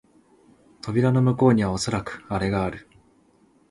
扉の向こうにはおそらくアレがある